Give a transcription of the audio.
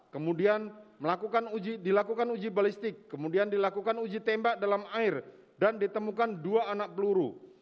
kemudian dilakukan uji balistik kemudian dilakukan uji tembak dalam air dan ditemukan dua anak peluru